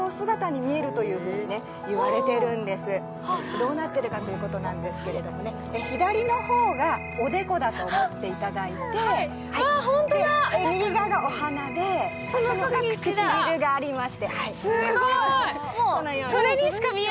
どうなってるかということなんですけど、左の方がおでこだと思っていただいて、右側がお鼻で、唇がありまして。